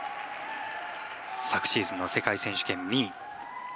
昨シーズンの世界選手権２位。